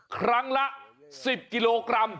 ครั้งละ๑๐กิโลกรัม